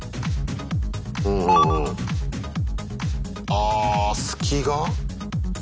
あ隙が？